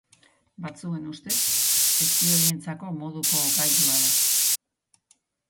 Batzuen ustez, espioientzako moduko gailua da.